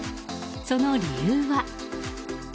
その理由は。